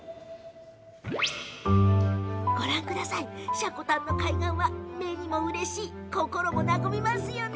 積丹の海岸は目にもうれしい心も和みますよね。